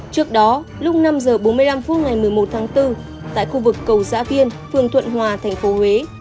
trước đó lúc năm h bốn mươi năm phút ngày một mươi một tháng bốn tại khu vực cầu giã viên phường thuận hòa thành phố huế